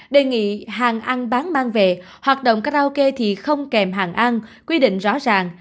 đề nghị hàng ăn bán mang về hoạt động karaoke thì không kèm hàng ăn quy định rõ ràng